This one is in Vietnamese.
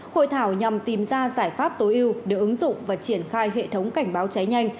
hội thảo nhằm tìm ra giải pháp tối ưu để ứng dụng và triển khai hệ thống cảnh báo cháy nhanh